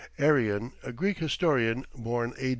Arian, a Greek historian, born A.